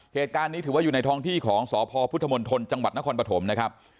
เหตุการณ์นี้ถือว่าอยู่ในท้องที่ของสพพุทธมนตรจังหวัดนครปฐมนะครับ